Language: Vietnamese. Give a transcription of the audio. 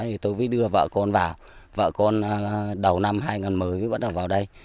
thì tôi mới đưa vợ con vào vợ con đầu năm hai nghìn một mươi mới bắt đầu vào đây